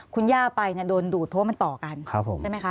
คุณย่าไปโดนดูดเพราะว่ามันต่อกันใช่ไหมคะ